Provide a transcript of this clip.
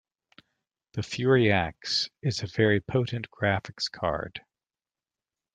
The Fury X is a very potent graphics card.